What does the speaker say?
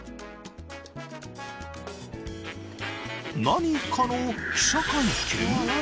何かの記者会見？